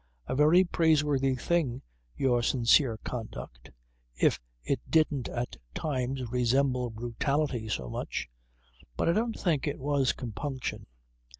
A very praiseworthy thing your sincere conduct, if it didn't at times resemble brutality so much. But I don't think it was compunction.